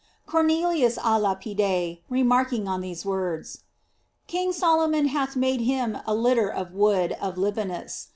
Cornelius a Lapide, remarking on these words: "King Sol omon hath made him a litter of the wood of Li banus